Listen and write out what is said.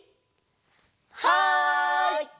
はい！